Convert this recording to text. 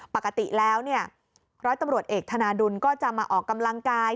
ปกติแล้วเนี่ยร้อยตำรวจเอกธนาดุลก็จะมาออกกำลังกาย